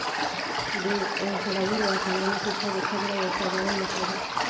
د زړورو اتلانو کیسه د صبر او وفادارۍ نښه ده.